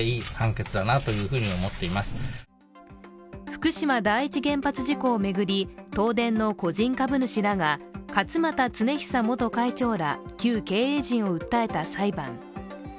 福島第一原発事故を巡り、東電の個人株主らが勝俣恒久元会長ら、旧経営陣を訴えた裁判。